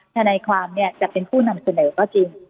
ทนายความจะเป็นผู้นำเสนอก็จริง